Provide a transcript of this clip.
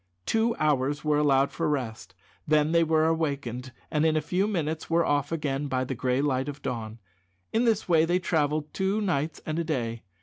Two hours were allowed for rest; then they were awakened, and in a few minutes were off again by the gray light of dawn. In this way they travelled two nights and a day.